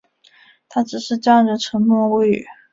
他只是站着沉默不语